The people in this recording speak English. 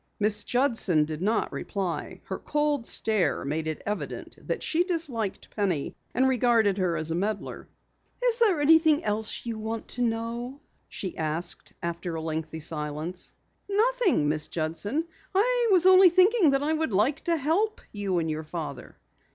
Miss Judson did not reply. Her cold stare made it evident that she disliked Penny and regarded her as a meddler. "Is there anything else you wish to know?" she asked after a lengthy silence. "Nothing, Miss Judson. I was only thinking that I would like to help you and your father."